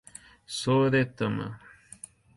Sooretama